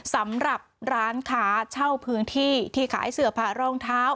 สำหรับร้านค้าเช่าพื้นที่ที่ขายเสือผ่ารองเท้า